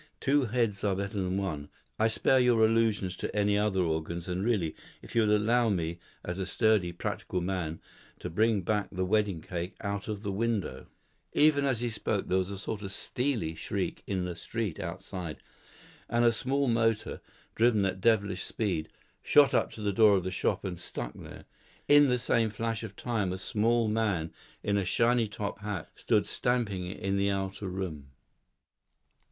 Two heads are better than one I spare you allusions to any other organs and really, if you would allow me, as a sturdy, practical man, to bring back the wedding cake out of the window " Even as he spoke, there was a sort of steely shriek in the street outside, and a small motor, driven at devilish speed, shot up to the door of the shop and stuck there. In the same flash of time a small man in a shiny top hat stood stamping in the outer room.